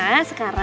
nama itu apa